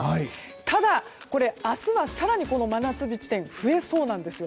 ただ、明日は更に真夏日地点、増えそうなんです。